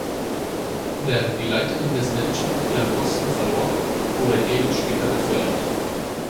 Während die Leiterin des Management ihren Posten verlor, wurde Hale später befördert.